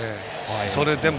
それでも。